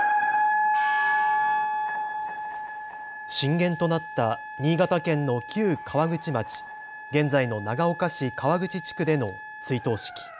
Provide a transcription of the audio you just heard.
震源となった新潟県の旧川口町、現在の長岡市川口地区での追悼式。